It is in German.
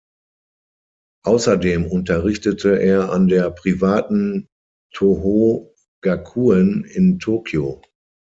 Außerdem unterrichtete er an der privaten Tōhō Gakuen in Tokio.